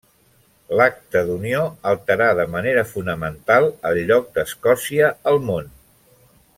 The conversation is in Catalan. L'Acta d'Unió alterà de manera fonamental el lloc d'Escòcia al món.